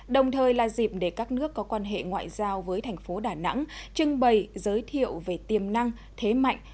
đồng thời là dịp để các nước có quan hệ ngoại giao với thành phố đà nẵng trưng bày giới thiệu về tiềm năng thế mạnh